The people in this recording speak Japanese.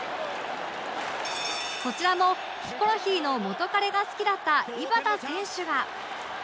こちらもヒコロヒーの元カレが好きだった井端選手が